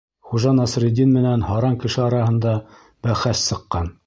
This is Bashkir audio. Хужа Насретдин менән һаран кеше араһында бәхәс сыҡҡан.